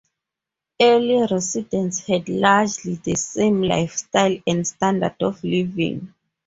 Early residents had largely the same lifestyle and standard of living.